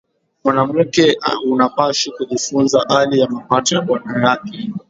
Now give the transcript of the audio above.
Mwanamuke unapashi kujifunza ali ya mapato ya bwana yake